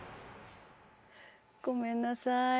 ごめんなさい